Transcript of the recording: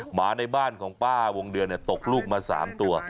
หมาในบ้านของป้าวงเดือนตกลูกมา๓ตัว